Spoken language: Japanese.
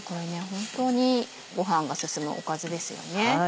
本当にご飯が進むおかずですよね。